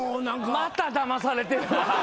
まただまされてる。